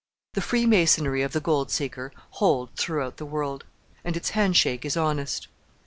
The freemasonry of the gold seeker holds throughout the world, and its handshake is honest.